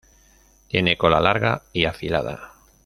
Tiene cola larga y afilada.